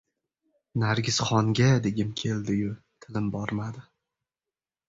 — «Nargisxonga» degim keldi-yu, tilim bormadi.